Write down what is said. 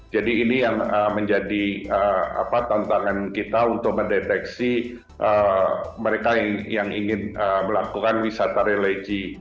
jadi ini yang menjadi tantangan kita untuk mendeteksi mereka yang ingin melakukan wisata religi